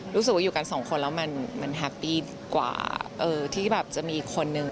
รู้สึกว่าอยู่กันสองคนแล้วมันแฮปปี้กว่าที่แบบจะมีอีกคนนึง